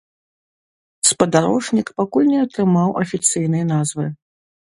Спадарожнік пакуль не атрымаў афіцыйнай назвы.